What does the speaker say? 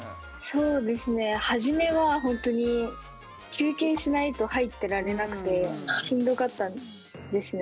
そうですね初めは本当に休憩しないと入ってられなくてしんどかったですね。